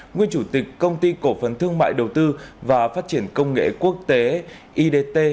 nguyên chủ tịch công ty cổ phần thương mại đầu tư và phát triển công nghệ quốc tế idt